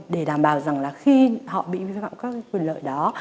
để đảm bảo rằng là khi họ bị vi phạm các quyền lợi đó